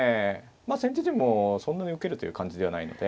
まあ先手陣もそんなに受けるという感じではないので。